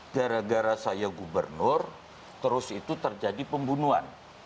gara gara saya gubernur terus itu terjadi pembunuhan